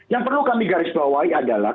yang perlu kami garis bawahi adalah